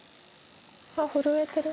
あっ震えてる。